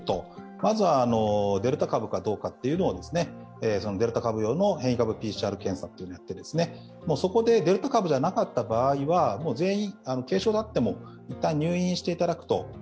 まずはデルタ株かどうかをデルタ株用の変異株ＰＣＲ検査というのをやって、そこでデルタ株ではない場合は、全員、軽症であっても一旦入院していただくと。